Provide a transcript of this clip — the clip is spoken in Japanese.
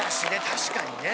確かにね。